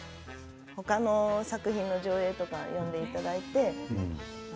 たまに他の作品の上映とか呼んでいただいて。